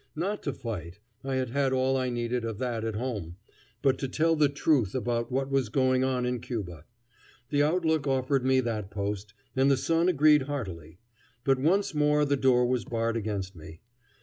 Not to fight, I had had all I needed of that at home, but to tell the truth about what was going on in Cuba. The Outlook offered me that post, and the Sun agreed heartily; but once more the door was barred against me.